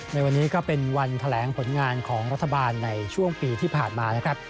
ในวันนี้ก็เป็นวันแถลงผลงานของรัฐบาลในช่วงปีที่ผ่านมานะครับ